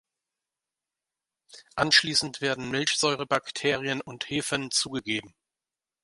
Anschließend werden Milchsäurebakterien und Hefen zugegeben.